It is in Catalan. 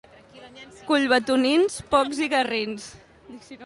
Collbatonins, pocs i garrins.